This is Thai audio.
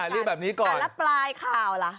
เรียกแบบนี้ก่อนแล้วปลายข่าวล่ะ